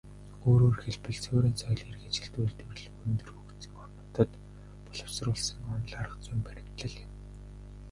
Өөрөөр хэлбэл, суурин соёл иргэншилт, үйлдвэрлэл өндөр хөгжсөн орнуудад боловсруулсан онол аргазүйн баримтлал юм.